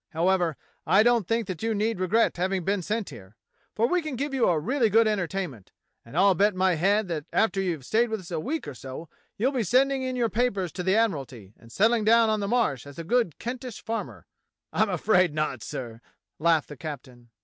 However, I don't think that you need regret having been sent here, for we can give you really good entertainment; and I'll bet my head that after you have stayed with us a week or so you'll be sending in your papers to the Admiralty, and settling down on the Marsh as a good Kentish farmer." "I'm afraid not, sir," laughed the captain.